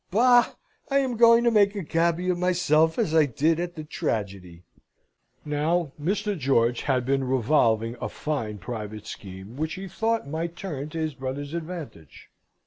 "Bah! I am going to make a gaby of myself, as I did at the tragedy." Now Mr. George had been revolving a fine private scheme, which he thought might turn to his brother's advantage.